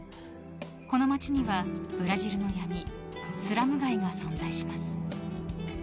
この街には、ブラジルの闇スラム街が存在します。